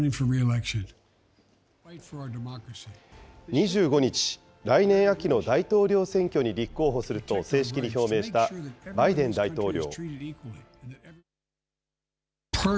２５日、来年秋の大統領選挙に立候補すると正式に表明したバイデン大統領。